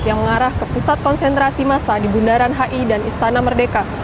yang mengarah ke pusat konsentrasi massa di bundaran hi dan istana merdeka